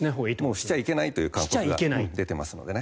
しちゃいけないという勧告が出ていますので。